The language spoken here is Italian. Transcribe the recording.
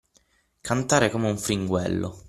Cantare come un fringuello.